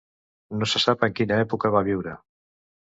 No se sap en quina època va viure.